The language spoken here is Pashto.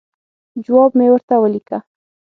جواب مې ورته ولیکه.